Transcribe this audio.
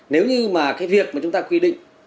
nếu như mà cái việc mà chúng ta quy định